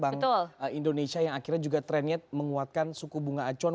bank indonesia yang akhirnya juga trennya menguatkan suku bunga acuan